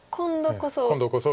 今度こそ。